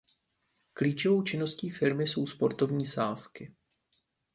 Klíčovou činností firmy jsou sportovní sázky.